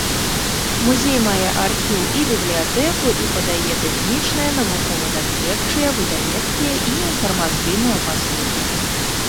Музей мае архіў і бібліятэку і падае тэхнічныя, навукова-даследчыя, выдавецкія і інфармацыйныя паслугі.